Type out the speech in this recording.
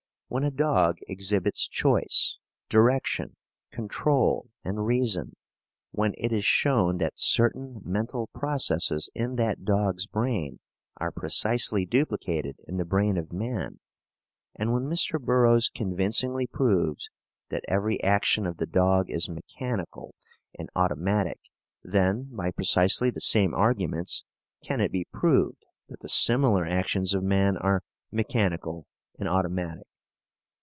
When a dog exhibits choice, direction, control, and reason; when it is shown that certain mental processes in that dog's brain are precisely duplicated in the brain of man; and when Mr. Burroughs convincingly proves that every action of the dog is mechanical and automatic then, by precisely the same arguments, can it be proved that the similar actions of man are mechanical and automatic.